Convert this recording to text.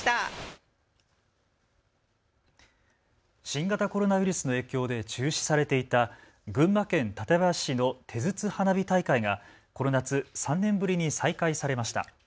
新型コロナウイルスの影響で中止されていた群馬県館林市の手筒花火大会がこの夏３年ぶりに再開されました。